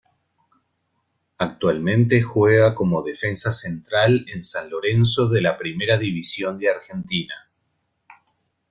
Actualmente juega como defensa central en San Lorenzo de la Primera División de Argentina.